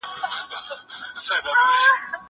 زه پرون کتابونه لولم وم؟!